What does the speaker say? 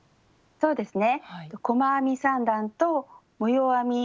そうですね。